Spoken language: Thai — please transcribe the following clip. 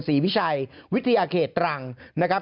วิชัยวิทยาเขตตรังนะครับ